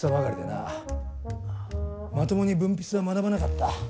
まともに文筆は学ばなかった。